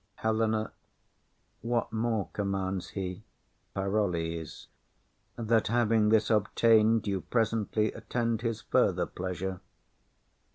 HELENA. What more commands he? PAROLLES. That, having this obtain'd, you presently Attend his further pleasure.